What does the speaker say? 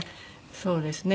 そうですね。